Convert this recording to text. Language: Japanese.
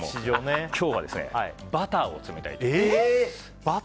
今日はバターを詰めたいと思います。